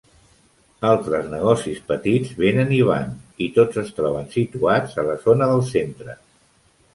Altres negocis petits vénen i van, i tots es troben situats a la zona del centre.